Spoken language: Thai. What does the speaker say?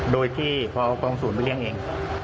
โดยที่พร้องศูนย์คนเรียงเองจนก่อนหรือ